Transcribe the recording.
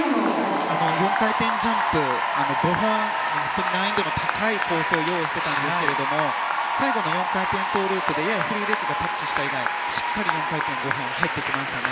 ４回転ジャンプ５本難易度の高い構成を用意していたんですが最後の４回転トウループでややフリーレッグがタッチした以外しっかり４回転５本入ってきましたね。